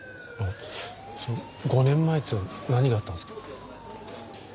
その５年前っていうのは何があったんですか？